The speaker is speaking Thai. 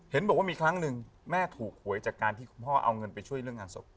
เห็นบอกว่ามีครั้งหนึ่งแม่ถูกหวยจากการที่คุณพ่อเอาเงินไปช่วยเรื่องงานศพ